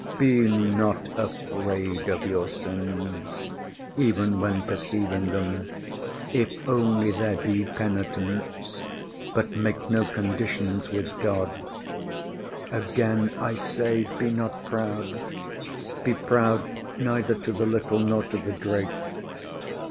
Be not afraid of your sins, even when perceiving them, if only there be penitence, but make no conditions with God. Again I say, Be not proud. Be proud neither to the little nor to the great.